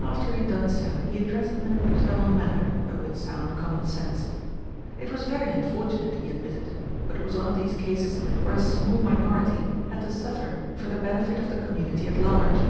After he had done so he addressed them in a paternal manner, but with sound common sense. It was very unfortunate, he admitted, but it was one of these cases where a small minority had to suffer for the benefit of the community at large.